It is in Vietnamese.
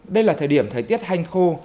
đây là thời điểm thời tiết hanh khô